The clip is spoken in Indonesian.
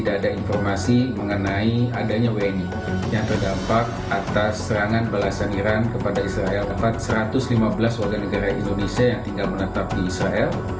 kbri mencatat terdapat pada tiga ratus tujuh puluh enam warga negara indonesia yang tinggal di wilayah iran